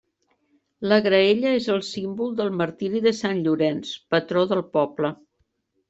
La graella és el símbol del martiri de sant Llorenç, patró del poble.